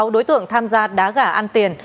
một mươi sáu đối tượng tham gia đá gà ăn tiền